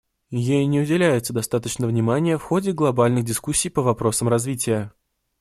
Ей не уделяется достаточно внимания в ходе глобальных дискуссий по вопросам развития.